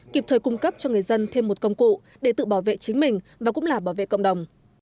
kịp thời cung cấp cho người dân thêm một công cụ để tự bảo vệ chính mình và cũng là bảo vệ cộng đồng